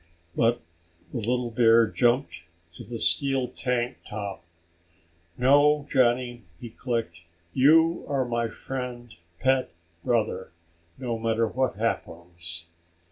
But the little bear jumped to the steel tank top. "No, Johnny," he clicked. "You are my friend pet brother, no matter what happens."